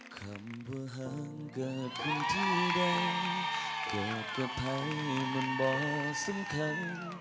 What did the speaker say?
คำว่าห้างเกิดคนที่ได้เกิดกับให้มันไม่สำคัญ